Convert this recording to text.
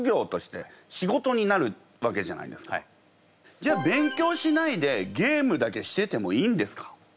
じゃあ勉強しないでゲームだけしててもいいんですか？